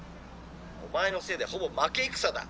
お前のせいでほぼ負け戦だ」。